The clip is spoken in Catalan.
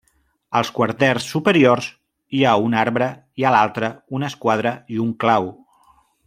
Als quarters superiors hi ha un arbre i, a l'altre, una esquadra i un clau.